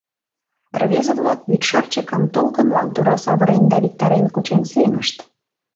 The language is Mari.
Рвезе-влак «вӱдшырчыкым» толкынлан тура савырен да виктарен кучен сеҥышт.